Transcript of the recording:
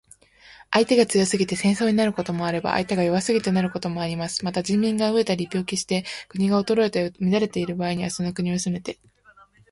相手が強すぎて戦争になることもあれば、相手が弱すぎてなることもあります。また、人民が餓えたり病気して国が衰えて乱れている場合には、その国を攻めて